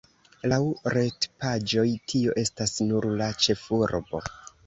Laŭ retpaĝoj, tio estas nur la ĉefurbo.